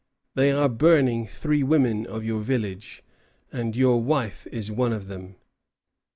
They are burning three women of your village, and your wife is one of them."